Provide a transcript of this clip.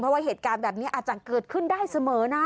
เพราะว่าเหตุการณ์แบบนี้อาจจะเกิดขึ้นได้เสมอนะ